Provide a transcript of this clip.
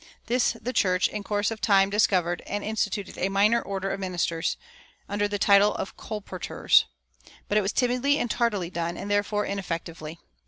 This the church, in course of time, discovered, and instituted a "minor order" of ministers, under the title of colporteurs. But it was timidly and tardily done, and therefore ineffectively.